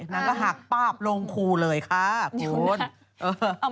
นางก็หักป้าบลงคูเลยค่ะคุณเออ